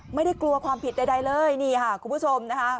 ไม่ได้กลัวความผิดใดเลยนี่ค่ะคุณผู้ชมนะคะ